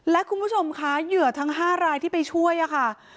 และคุณผู้ชมคะเหยื่อทั้ง๕รายที่ไปช่วยค่ะ